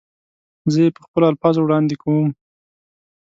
زه یې په خپلو الفاظو وړاندې کوم.